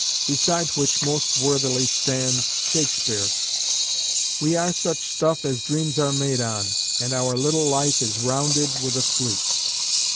Beside which most worthily stands Shakespeare:— "We are such stuff As dreams are made on, and our little life Is rounded with a sleep."